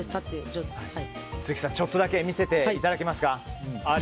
ちょっとだけ見せてもらえますか？